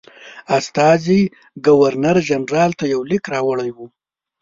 استازي ګورنرجنرال ته یو لیک راوړی وو.